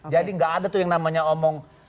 jadi gak ada tuh yang namanya omong